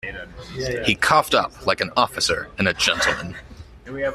He coughed up like an officer and a gentleman.